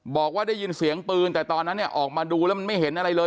บอกว่าได้ยินเสียงปืนแต่ตอนนั้นเนี่ยออกมาดูแล้วมันไม่เห็นอะไรเลย